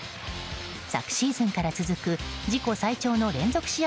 昨シーズンから続く自己最長の連続試合